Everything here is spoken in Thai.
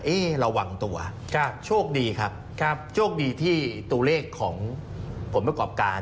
ระวังตัวโชคดีครับโชคดีที่ตัวเลขของผลประกอบการ